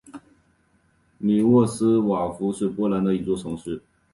米沃斯瓦夫是波兰的一座城市。